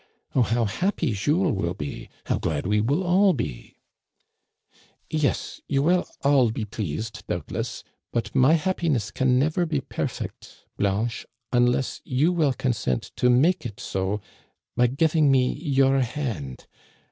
Oh, how happy Jules will be, how glad we will all be !"*' Yes, you will all be pleased, doubtless ; but my happiness can never be perfect, Blanche, unless you will consent to make it so by giving me your hand.